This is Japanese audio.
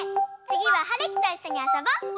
つぎははるきといっしょにあそぼ！